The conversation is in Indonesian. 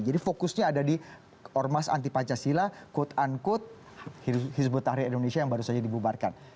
jadi fokusnya ada di ormas anti pancasila quote unquote hizbut tahrir indonesia yang baru saja dibubarkan